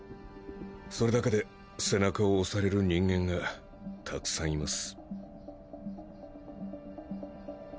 それだけで背中を押される人間がたくさんいます。